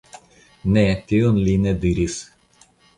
Ne, tion li ne diris.